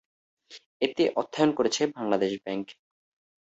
এতে অর্থায়ন করেছে বাংলাদেশ ব্যাংক।